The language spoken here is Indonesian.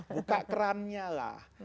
buka kerannya lah